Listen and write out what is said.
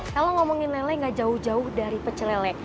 kalau ngomongin lele nggak jauh jauh dari pecel lele